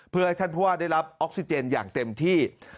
เพื่อให้ท่านผู้ว่าได้รับออกซิเจนอย่างเต็มที่